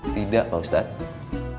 tidak pak ustadz